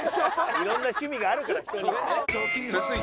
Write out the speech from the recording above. いろんな趣味があるから人にはね。